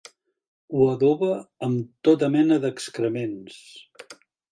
Ho adoba amb tota mena d'excrements.